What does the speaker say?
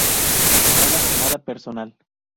Nada, nada personal"".